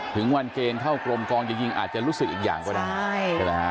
ถึงวันเกณฑ์เข้ากรมกองจริงอาจจะรู้สึกอีกอย่างก็ได้ใช่ไหมฮะ